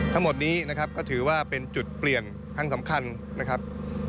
ทั้งหมดนี้นะครับก็ถือว่าเป็นจุดเปลี่ยนทั้งสำคัญนะครับ